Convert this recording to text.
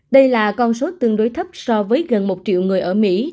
đây là con số tương đối thấp so với gần một triệu người ở mỹ